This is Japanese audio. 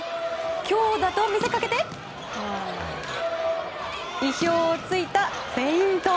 強打と見せかけて意表を突いたフェイント。